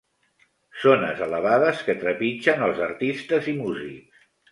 Zones elevades que trepitgen els artistes i músics.